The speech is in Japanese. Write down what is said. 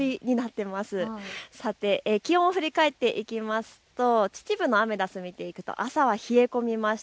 気温を振り返っていきますと秩父のアメダスを見ていくと朝は冷え込みました。